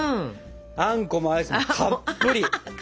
あんこもアイスもたっぷり！